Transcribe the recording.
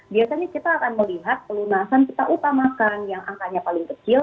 biasanya kita akan melihat pelunasan kita utamakan yang angkanya paling kecil